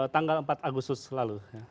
tanggal empat agustus lalu